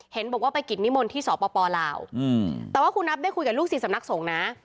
เห็นบอกว่าไปกิจนิมนต์ที่สปลาวแต่ว่าคุณนับได้คุยกับลูกศิษย์สำนักสงฆ์นะ